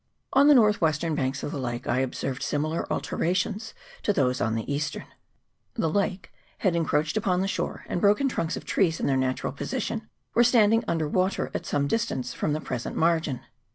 On the north western banks of the lake I ob CHAP. XXVII.] REKA REKA. 399 served similar alterations to those on the eastern; the lake had encroached upon the shore, and broken trunks of trees in their natural position were stand ing under water at some distance from the present margin.